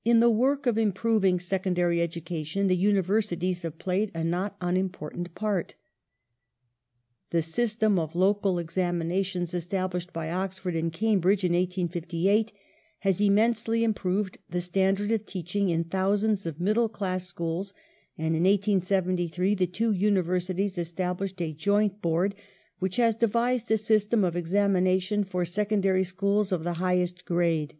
^ The Uni In the work of improving secondary education the Univer versities gities have played a not unimportant part. The system of Local secondary Examinations established >t)y Oxford and Cambridge in 1858 has education immensely improved the standard of teaching in thousands of middle class schools, and in 1873 the two Universities established a Joint Board which has devised a system of examination for Secondary schools of the highest grade.